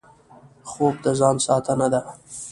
خوب د ځان ساتنه ده